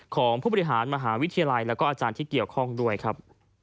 ของผู้บริหารมหาวิทยาลัยแล้วก็อาจารย์ที่เกี่ยวข้องด้วยครับ